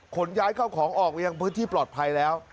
ขนย้ายเข้าของออกไปยังพื้นที่ปลอดภัยแล้ว